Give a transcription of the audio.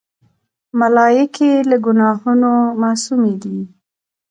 ملایکې له ګناهونو معصومی دي.